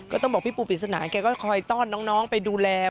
ก็ต้องบอกพี่ปูปริศนาแกก็คอยต้อนน้องไปดูแล